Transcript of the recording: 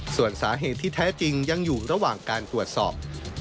ส่วนสาเหตุที่แท้จริงยังอยู่ระหว่างการตรวจสอบ